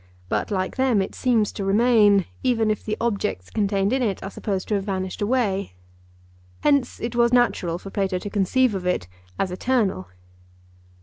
But like them it seems to remain, even if all the objects contained in it are supposed to have vanished away. Hence it was natural for Plato to conceive of it as eternal.